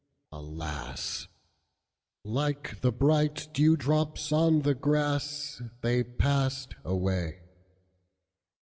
Alas! Like the bright dewdrops on the grass, They passed away.